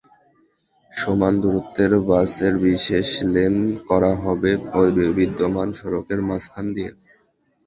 সমান দূরত্বের বাসের বিশেষ লেন করা হবে বিদ্যমান সড়কের মাঝখান দিয়ে।